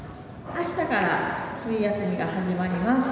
明日から冬休みが始まります。